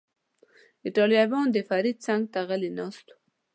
ایټالویان، د فرید څنګ ته غلی ناست و.